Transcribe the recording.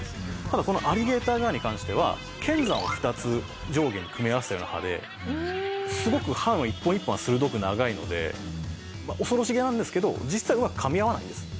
ただこのアリゲーターガーに関しては剣山を２つ上下に組み合わせたような歯ですごく歯の一本一本が鋭く長いので恐ろしげなんですけど実際は噛み合わないんです。